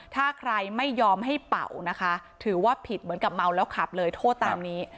ถ้าใครไม่ยอมให้เป่านะคะถือว่าผิดเหมือนกับเมาแล้วขับเลยโทษตามนี้